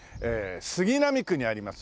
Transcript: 杉並区にあります